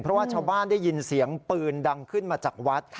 เพราะว่าชาวบ้านได้ยินเสียงปืนดังขึ้นมาจากวัด